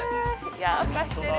いやふかしてる。